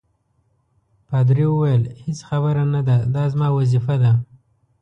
پادري وویل: هیڅ خبره نه ده، دا زما وظیفه ده.